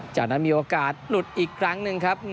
จากนั้นมีโอกาสหลุดอีกครั้งหนึ่งครับ